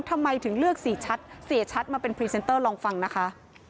ทำไมถึงเลือกสี่ชัดเสียชัดมาเป็นพรีเซนเตอร์ลองฟังนะคะ